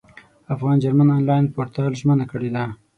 افغان جرمن انلاین پورتال ژمنه کړې ده.